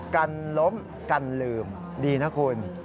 กันล้มกันลืมดีนะคุณ